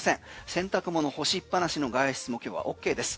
洗濯物干しっぱなしの外出も今日はＯＫです。